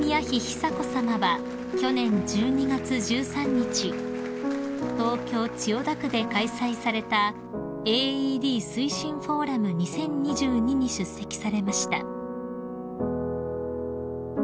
久子さまは去年１２月１３日東京千代田区で開催されたＡＥＤ推進フォーラム２０２２に出席されました］